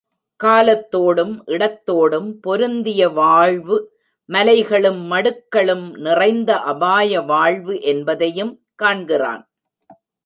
காலத்தோடும் இடத்தோடும் பொருந்திய வாழ்வு மலைகளும் மடுக்களும் நிறைந்த அபாய வாழ்வு என்பதையும் காண்கிறான்.